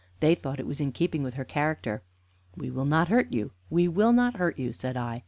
They thought it was in keeping with her character. "We will not hurt you, we will not hurt you," said I.